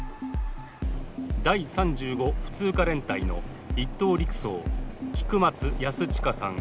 第３５普通科連隊の１等陸曹・菊松安親さん